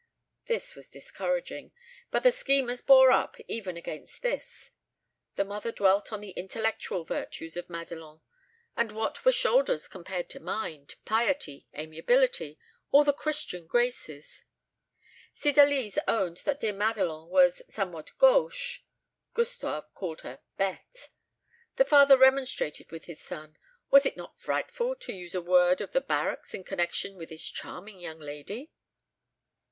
This was discouraging, but the schemers bore up even against this. The mother dwelt on the intellectual virtues of Madelon; and what were shoulders compared to mind, piety, amiability all the Christian graces? Cydalise owned that dear Madelon was somewhat gauche; Gustave called her bête. The father remonstrated with his son. Was it not frightful to use a word of the barracks in connection with this charming young lady?